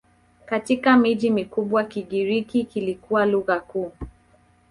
Katika miji mikubwa Kigiriki kilikuwa lugha kuu.